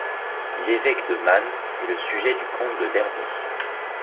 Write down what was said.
L’évêque de Man est le sujet du comte de Derby.